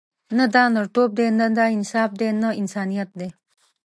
نه دا نرتوب دی، نه دا انصاف دی، نه انسانیت دی.